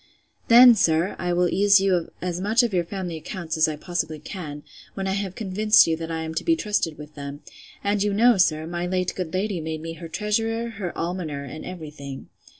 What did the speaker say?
Then, sir, I will ease you of as much of your family accounts, as I possibly can, when I have convinced you that I am to be trusted with them; and you know, sir, my late good lady made me her treasurer, her almoner, and every thing.